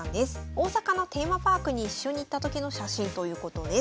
大阪のテーマパークに一緒に行った時の写真ということです。